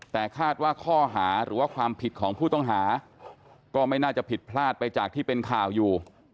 แต่คาดว่าข้อหาหรือว่าความผิดของผู้ต้องหาก็ไม่น่าจะผิดพลาดไปจากที่เป็นข่าวอยู่